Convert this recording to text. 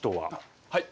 はい。